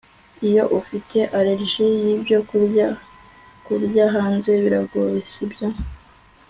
Iyo ufite allergie yibyo kurya kurya hanze biragoye sibyo